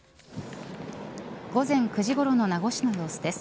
午前９時ごろの名護市の様子です。